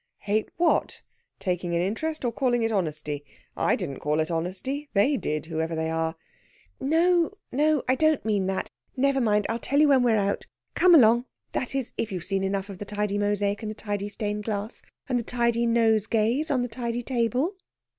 "Hate what? Taking an interest or calling it honesty? I didn't call it honesty. They did, whoever they are!" "No, no I don't mean that. Never mind. I'll tell you when we're out. Come along that is, if you've seen enough of the tidy mosaic and the tidy stained glass, and the tidy nosegays on the tidy table."